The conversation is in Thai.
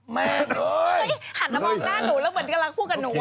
แม่หันมามองหน้าหนูแล้วเหมือนกำลังพูดกับหนู